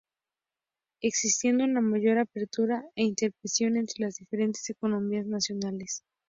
Existiendo una mayor apertura e interconexión entre las diferentes economías nacionales.